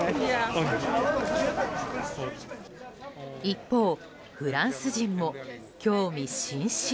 一方フランス人も興味津々。